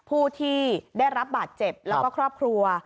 ผู้ที่ได้รับบาดเจ็บแล้วก็ครอบครัว